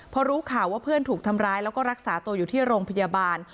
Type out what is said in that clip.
พอรู้ข่าวว่าเพื่อนถูกทำร้ายแล้วก็รักษาตัวอยู่ที่โรงพยาบาล